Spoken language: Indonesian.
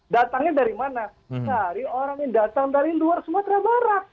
datangnya dari mana cari orang yang datang dari luar sumatera barat